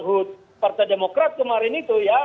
hud partai demokrat kemarin itu ya